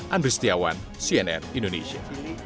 andri setiawan cnn indonesia